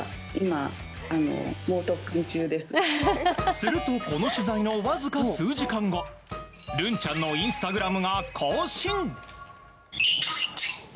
すると、この取材のわずか数時間後るんちゃんのインスタグラムが更新。